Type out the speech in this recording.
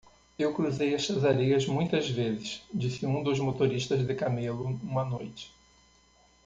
"Eu cruzei estas areias muitas vezes?" disse um dos motoristas de camelo uma noite.